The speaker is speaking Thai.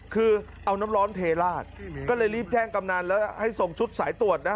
คือเอาน้ำร้อนเทลาดก็เลยรีบแจ้งกำนันแล้วให้ส่งชุดสายตรวจนะ